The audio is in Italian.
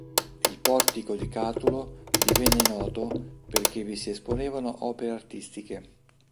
Il portico di Catulo divenne noto perché vi si esponevano opere artistiche.